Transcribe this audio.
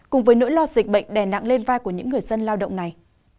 cùng với nỗi lo dịch bệnh đè nặng lên vai của những người dân lao động này